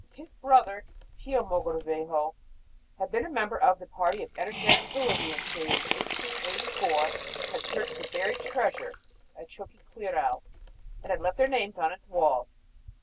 His brother, Pio Mogrovejo, had been a member of the party of energetic Peruvians who, in 1884, had searched for buried treasure at Choqquequirau and had left their names on its walls.